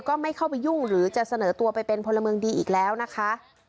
ก็ไม่เข้าไปยุ่งหรือจะเสนอตัวไปเป็นพลเมืองดีอีกแล้วนะคะ